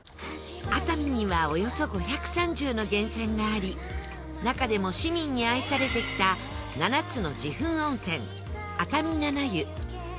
熱海にはおよそ５３０の源泉があり中でも市民に愛されてきた７つの自噴温泉、熱海七湯